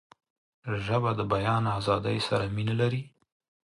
ژبه د بیان آزادۍ سره مینه لري